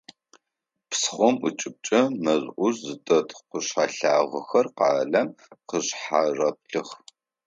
Псыхъом ыкӏыбкӏэ мэз ӏужъу зытет къушъхьэ лъагэхэр къалэм къышъхьарэплъых.